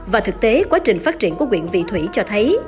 và thực tế quá trình phát triển của quyện vị thủy cho thấy